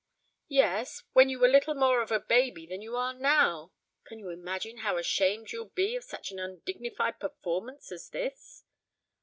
"Yes, when you were little more of a baby than you are now. Can't you imagine how ashamed you'll be of such an undignified performance as this?"